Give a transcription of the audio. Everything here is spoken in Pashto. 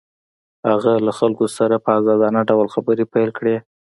هغه له خلکو سره په ازادانه ډول خبرې پيل کړې.